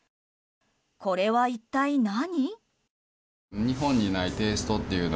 これは一体何？